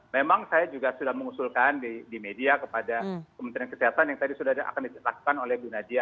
memang saya juga sudah mengusulkan di media kepada kementerian kesehatan yang tadi sudah akan dilakukan oleh bu nadia